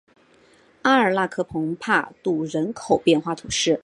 阿尔纳克蓬帕杜人口变化图示